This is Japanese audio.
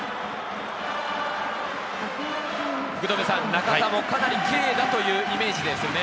中田もかなり軽打というイメージですね。